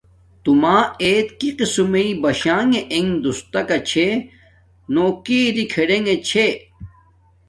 تو ما ایت کی قسم مݵ باشانݣ انݣ دوستاکا چھے نو کی اری کھڈنݣ چھے